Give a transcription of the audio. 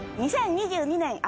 ２０２２年